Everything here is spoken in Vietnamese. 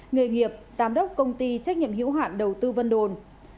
nghề nghiệp giám đốc công ty trách nhiệm hữu hạn đầu tư vân đồn